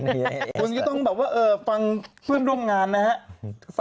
คุณก็ต้องฟังเพื่อนร่วมงานนะฮะ